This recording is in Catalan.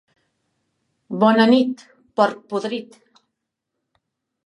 Bona nit, porc podrit!